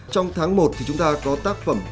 trong tháng một thì chúng ta có tác phẩm